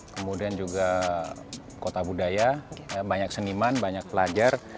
kemudian juga kota budaya banyak seniman banyak pelajar